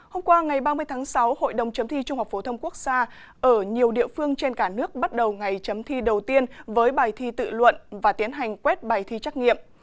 hôm qua ngày ba mươi tháng sáu hội đồng chấm thi trung học phổ thông quốc gia ở nhiều địa phương trên cả nước bắt đầu ngày chấm thi đầu tiên với bài thi tự luận và tiến hành quét bài thi trắc nghiệm